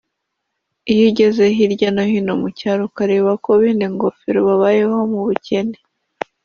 Iyo ugeze hirya no hino mu cyaro ukareba uko benengofero babayeho mu bukene